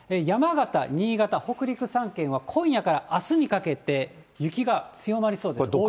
山形、新潟、北陸３県は、今夜からあすにかけて、雪が強まりそうです。